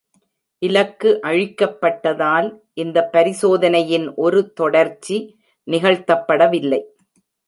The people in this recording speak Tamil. இலக்கு அழிக்கப்பட்டதால், இந்த பரிசோதனையின் ஒரு தொடர்ச்சி நிகழ்த்தப்படவில்லை.